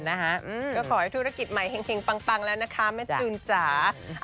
ก็ขอให้ธุรกิจใหม่แห่งปังแล้วนะคะแม่จูนจ๋า